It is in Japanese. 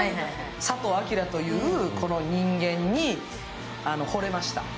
佐藤明という人間に惚れました。